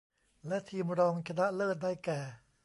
และทีมรองชนะเลิศได้แก่